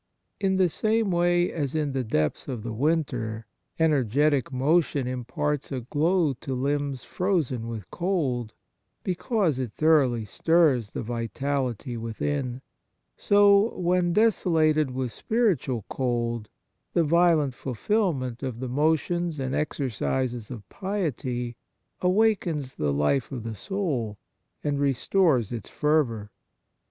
In the same way as in the depths of the winter energetic motion imparts a glow to limbs frozen with cold, be cause it thoroughly stirs the vitality within, so, when desolated with spiri tual cold, the violent fulfilment of the motions and exercises of piety awakens the life of the soul and re stores its fervour.